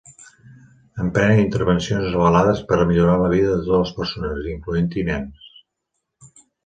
Emprèn intervencions avalades per a millorar la vida de totes les persones, incloent-hi a nens.